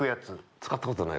使ったことない。